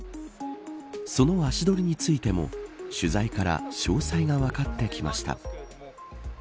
その足取りについても取材から詳細が分かってきました。